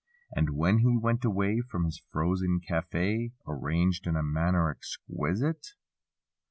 And when he went away, From his frozen cafe, (Arranged in a manner exquisite).